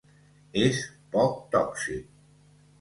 És poc tòxic.